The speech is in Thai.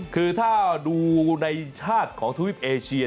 คือถ้าดูในชาติของทวิปเอเชีย